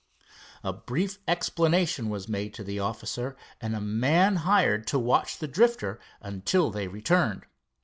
A brief explanation was made to the officer, and a man hired to watch the Drifter until they returned.